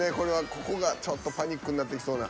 ここがちょっとパニックになってきそうな。